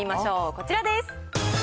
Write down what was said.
こちらです。